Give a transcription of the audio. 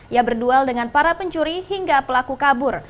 ia berdual dengan para pencuri hingga pelaku kabur